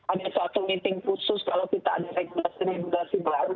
ada suatu meeting khusus kalau kita ada regulasi regulasi baru